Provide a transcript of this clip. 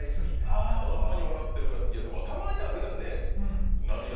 ホンマに笑ってるかいやでもたまにあるやんね。